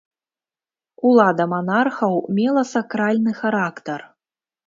Улада манархаў мела сакральны характар.